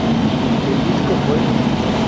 El disco fue